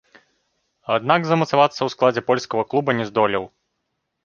Аднак замацавацца ў складзе польскага клуба не здолеў.